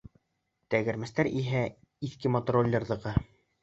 Тәгәрмәстәр иһә — иҫке мотороллерҙыҡы.